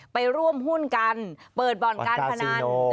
ไปร่วมหุ้นกันเปิดบ่อนการพนัน